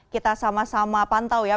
kita sama sama pantau ya